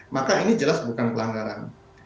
maka ini jelas bukan pelanggaran